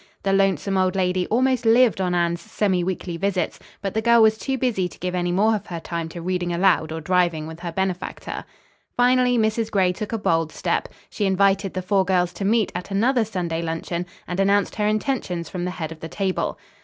The lonesome old lady almost lived on Anne's semi weekly visits, but the girl was too busy to give any more of her time to reading aloud or driving with her benefactor. Finally Mrs. Gray took a bold step. She invited the four girls to meet at another Sunday luncheon, and announced her intentions from the head of the table.